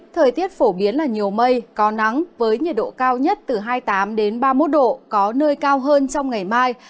thời tiết phổ biến là nhiều mây có nắng với nhiệt độ cao nhất từ hai mươi tám ba mươi một độ có nơi cao hơn trong ngày mai